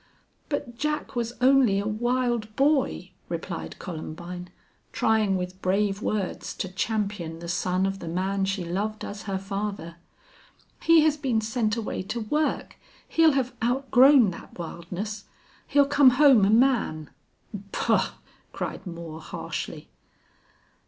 "But Jack was only a wild boy," replied Columbine, trying with brave words to champion the son of the man she loved as her father. "He has been sent away to work. He'll have outgrown that wildness. He'll come home a man." "Bah!" cried Moore, harshly.